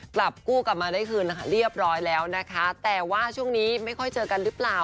กลับกู้กลับมาได้คืนนะคะเรียบร้อยแล้วนะคะแต่ว่าช่วงนี้ไม่ค่อยเจอกันหรือเปล่า